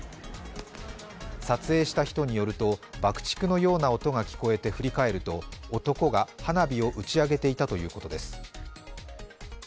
撮影した人によると、爆竹のような音が聞こえて振り返ると、男が花火を打ち上げていたということです。